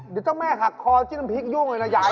เดี๋ยวเจ้าแม่หักคอจิ้มน้ำพริกยุ่งเลยนะยาย